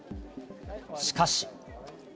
しかし。